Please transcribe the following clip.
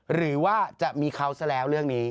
หรือว่าจะมีเขาซะแล้วเรื่องนี้